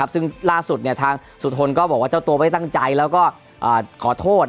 ซึ่งล่าสุดทางสุธนก็บอกว่าเจ้าตัวไม่ตั้งใจแล้วก็ขอโทษ